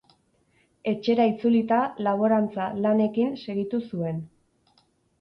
Etxera itzulita, laborantza lanekin segitu zuen.